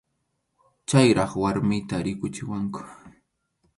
Chayraq warmiyta rikuchiwanku.